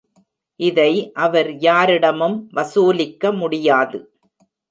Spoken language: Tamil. இதை அவர் யாரிடமும் வசூலிக்க முடியாது.